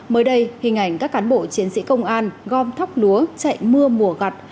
mới đây hình ảnh các cán bộ chiến sĩ công an gom thóc lúa chạy mưa mùa gặt